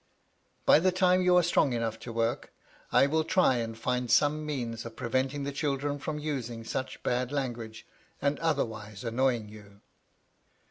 By the time you are strong enough to work, I will try and find some means of preventing the children from using such bad language, and otherwise annoying you.'